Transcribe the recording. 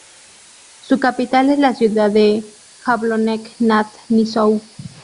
Su capital es la ciudad de Jablonec nad Nisou.